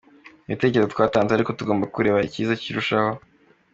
Ni ibitekerezo twatanze ariko tugomba kureba icyiza kurushaho.